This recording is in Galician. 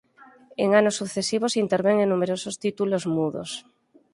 En anos sucesivos intervén en numerosos títulos mudos.